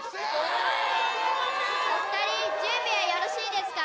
お二人準備はよろしいですか？